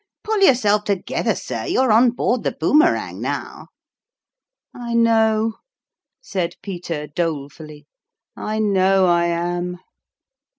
Pull yourself together, sir ; you're on board the Boomerang now !"" I know," said Peter, dolefully," I know I am